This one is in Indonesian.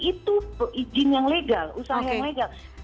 itu izin yang legal usaha yang legal